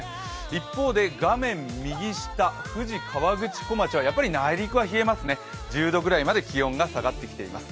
一方で、画面右下、富士河口湖町はやっぱり内陸は冷えますね、１０度ぐらいまで気温が下がってきています。